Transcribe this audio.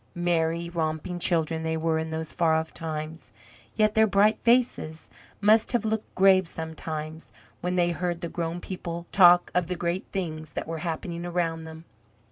Merry, romping children they were in those far off times, yet their bright faces must have looked grave sometimes, when they heard the grown people talk of the great things that were happening around them.